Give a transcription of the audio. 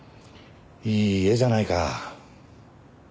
いい家じゃないか。